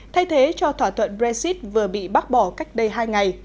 thay thế cho thỏa thuận brexit vừa bị bác bỏ cách đây hai ngày